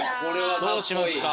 どうしますか？